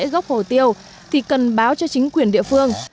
nếu có giao dịch hồ tiêu thì cần báo cho chính quyền địa phương